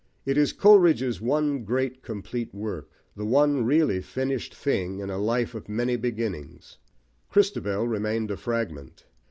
It is Coleridge's one great complete work, the one really finished thing, in a life of many beginnings. Christabel remained a fragment.